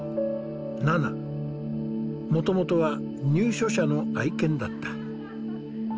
もともとは入所者の愛犬だった。